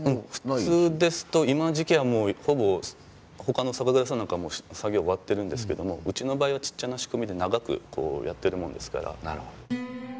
普通ですと今の時期はもうほぼ他の酒蔵さんなんか作業終わってるんですけどもうちの場合はちっちゃな仕込みで長くやってるもんですから。